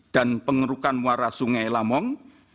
dan pengerukan muara sungai lamong